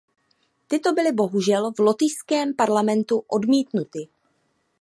Tyto byly bohužel v lotyšském parlamentu odmítnuty.